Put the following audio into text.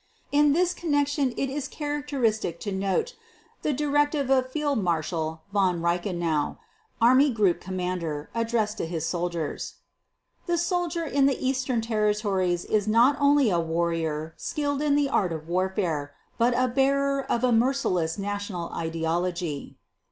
In this connection it is characteristic to note the directive of Fieldmarshal Von Reichenau, army group commander, addressed to his soldiers: "The soldier in the eastern territories is not only a warrior skilled in the art of warfare but a bearer of a merciless national ideology."